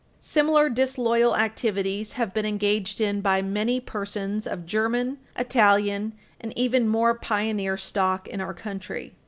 Similar disloyal activities have been engaged in by many persons of German, Italian and even more pioneer stock in our country.